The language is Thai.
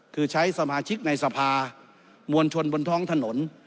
คือใช้สมาชิกในสภามวลชนบนท้องถนน